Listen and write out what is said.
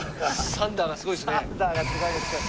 サンダーがすごいですけど。